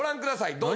どうぞ。